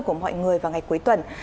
của mọi người vào ngày cuối tuần